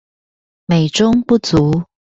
美中不足